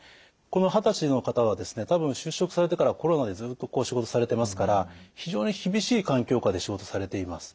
この二十歳の方はですね多分就職されてからコロナでずっと仕事されてますから非常に厳しい環境下で仕事されています。